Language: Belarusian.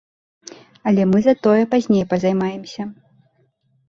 Але мы затое пазней пазаймаемся.